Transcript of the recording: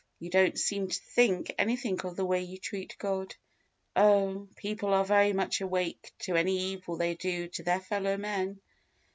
You don't seem to think anything of the way you treat God. Oh! people are very much awake to any evil they do to their fellow men.